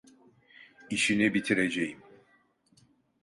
İşini bitireceğim!